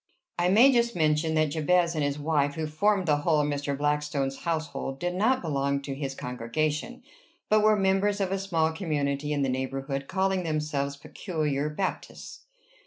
I may just mention that Jabez and his wife, who formed the whole of Mr. Blackstone's household, did not belong to his congregation, but were members of a small community in the neighborhood, calling themselves Peculiar Baptists.